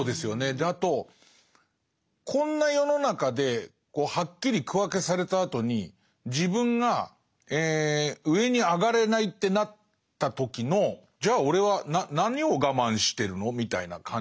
であとこんな世の中ではっきり区分けされたあとに自分が上に上がれないってなった時のじゃあ俺は何を我慢してるの？みたいな感じ。